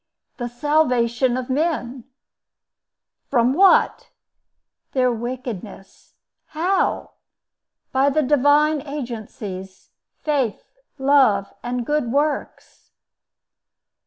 "The salvation of men." "From what?" "Their wickedness." "How?" "By the divine agencies—Faith, Love, and Good Works."